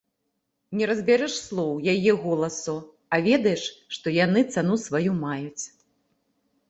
Не разбярэш слоў яе голасу, а ведаеш, што яны цану сваю маюць.